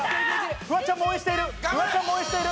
フワちゃんも応援している。